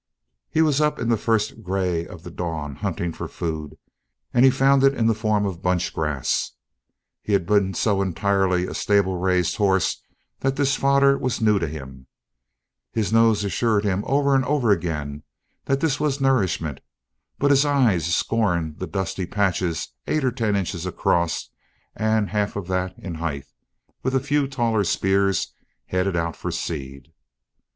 He was up in the first grey of the dawn hunting for food and he found it in the form of bunchgrass. He had been so entirely a stable raised horse that this fodder was new to him. His nose assured him over and over again that this was nourishment, but his eyes scorned the dusty patches eight or ten inches across and half of that in height, with a few taller spears headed out for seed.